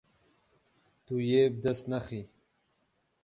Tu yê bi dest nexî.